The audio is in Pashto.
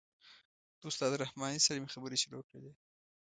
د استاد رحماني سره مې خبرې شروع کړلې.